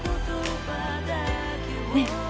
ねえ。